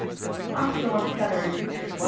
After one's salary reaches $125.